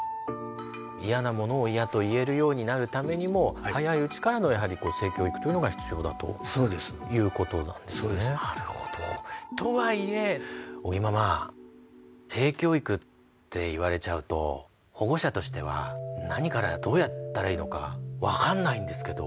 嫌なものを嫌と言えるようになるためにも早いうちからのやはり性教育というのが必要だということなんですね。とはいえ尾木ママ性教育って言われちゃうと保護者としては何からどうやったらいいのか分かんないんですけど。